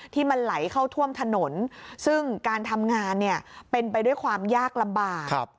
ที่มันไหลเข้าท่วมถนนซึ่งการทำงานเนี่ยเป็นไปด้วยความยากลำบาก